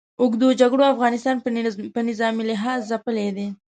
اوږدو جګړو افغانستان په نظامي لحاظ ځپلی دی.